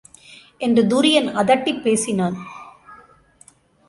என்று துரியன் அதட்டிப் பேசினான்.